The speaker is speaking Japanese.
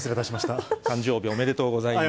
誕生日おめでとうございます。